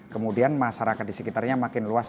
kemudian masyarakat di sekitarnya makin luas